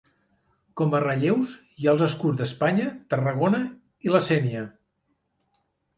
Com a relleus hi ha els escuts d'Espanya, Tarragona i la Sénia.